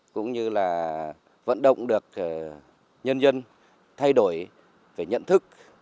cũng như là vận động được nhân dân thay đổi về nhận thức